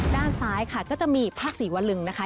ด้านซ้ายค่ะก็จะมีพระศรีวลึงนะคะ